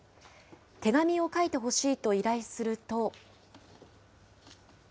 手紙を書いてほしいと依頼すると。